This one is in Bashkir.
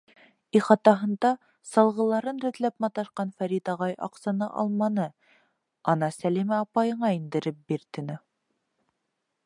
Ихатаһында салғыларын рәтләп маташҡан Фәрит ағай аҡсаны алманы, ана, Сәлимә апайыңа индереп бир, тине.